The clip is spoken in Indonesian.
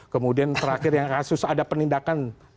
kemudian terakhir yang kasus ada penindakan